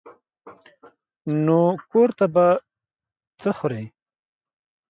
نو کور ته به څه خورې.